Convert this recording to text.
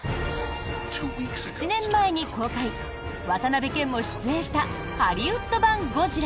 ７年前に公開、渡辺謙も出演したハリウッド版「ゴジラ」。